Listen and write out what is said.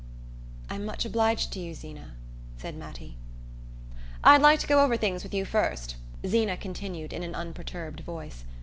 "I'm much obliged to you, Zeena," said Mattie. "I'd like to go over things with you first," Zeena continued in an unperturbed voice.